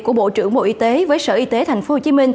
của bộ trưởng bộ y tế với sở y tế tp hcm